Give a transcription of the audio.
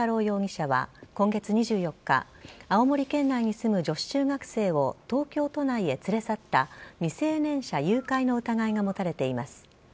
容疑者は今月２４日青森県内に住む女子中学生を東京都内へ連れ去った未成年者誘拐の疑いが持たれています。